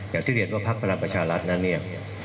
อย่างที่เรียนว่าพักพลังประชารัฐนั้นเนี่ย